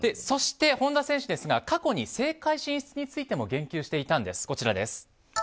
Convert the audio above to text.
そして、本田選手ですが過去に政界進出についても言及していたんです。